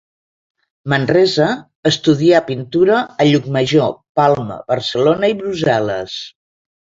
Manresa estudià pintura a Llucmajor, Palma, Barcelona i Brussel·les.